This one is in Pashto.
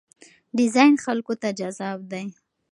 ډیزاین خلکو ته جذاب دی.